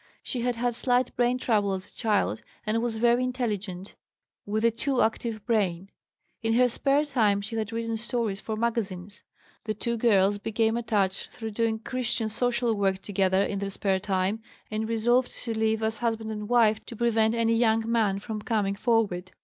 She had had slight brain trouble as a child, and was very intelligent, with a too active brain; in her spare time she had written stories for magazines. The two girls became attached through doing Christian social work together in their spare time, and resolved to live as husband and wife to prevent any young man from coming forward.